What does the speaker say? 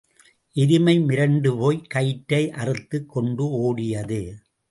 எருமை மிரண்டுபோய்க் கயிற்றை அறுத்துக் கோண்டு ஓடியது.